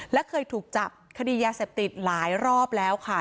และเคยถูกจับคดียาเสพติดหลายรอบแล้วค่ะ